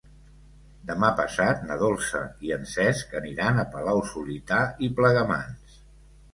Demà passat na Dolça i en Cesc aniran a Palau-solità i Plegamans.